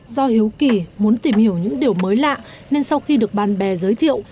do hiếu kỳ muốn tìm hiểu những điều mới lạ nên sau khi được bạn bè giới thiệu